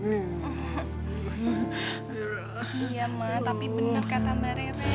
iya ma tapi bener kata mba rere